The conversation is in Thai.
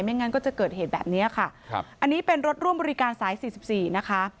ไม่งั้นก็จะเกิดเหตุแบบนี้ค่ะอันนี้เป็นรถร่วมบริการสาย๔๔นะคะ